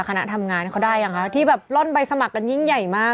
คณะทำงานเขาได้ยังคะที่แบบล่อนใบสมัครกันยิ่งใหญ่มาก